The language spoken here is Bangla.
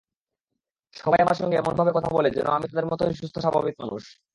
সবাই আমার সঙ্গে এমনভাবে কথা বলে, যেন আমি তাদের মতোই সুস্থ-স্বাভাবিক মানুষ।